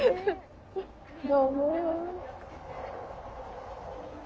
どうも。